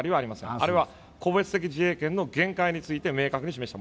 あれは個別的自衛権の限界について明確に示しました。